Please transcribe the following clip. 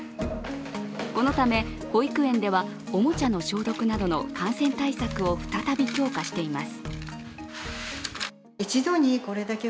このため、保育園ではおもちゃの消毒などの感染対策などを再び強化しています。